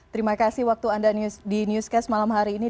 terima kasih waktu anda di newscast malam hari ini